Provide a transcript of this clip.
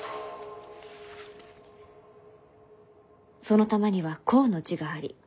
その玉には孝の字があり。